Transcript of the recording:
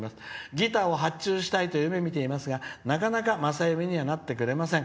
ギターを発注したいと夢みていますがなかなか正夢にはなってくれません。